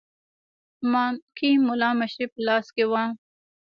مانکي مُلا مشري په لاس کې وه.